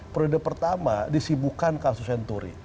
periode pertama disibukan kasus senturi